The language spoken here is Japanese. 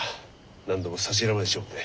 何度も差し入れまでしてもらって。